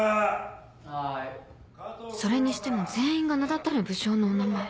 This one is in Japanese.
それにしても全員が名だたる武将のお名前